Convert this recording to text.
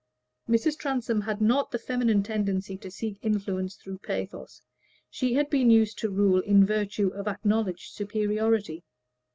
Mrs. Transome had not the feminine tendency to seek influence through pathos; she had been used to rule in virtue of acknowledged superiority.